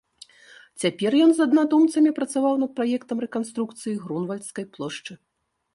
Цяпер ён з аднадумцамі працаваў над праектам рэканструкцыі Грунвальдскай плошчы.